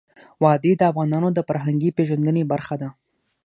وادي د افغانانو د فرهنګي پیژندنې برخه ده.